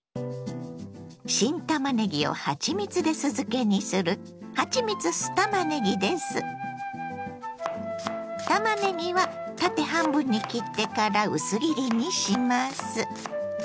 新たまねぎをはちみつで酢漬けにするたまねぎは縦半分に切ってから薄切りにします。